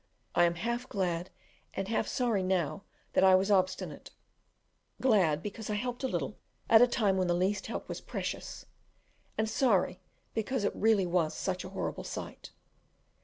I am half glad and half sorry now that I was obstinate; glad because I helped a little at a time when the least help was precious, and sorry because it was really such a horrible sight.